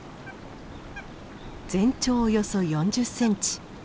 全長およそ４０センチ。